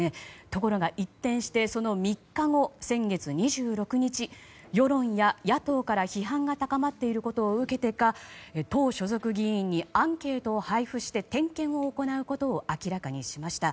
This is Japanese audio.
ところが一転して、その３日後先月２６日世論や野党から批判が高まっていることを受けてか党所属議員にアンケートを配布して点検を行うことを明らかにしました。